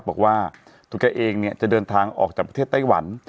บอกว่าตัวแกเองเนี่ยจะเดินทางออกจากประเทศไต้หวัน